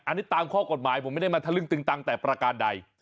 อันนี้ตามข้อกฎหมายผมไม่ได้มาทะลึงตังแต่ประการใด